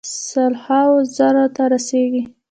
سل هاوو زرو ته رسیږي.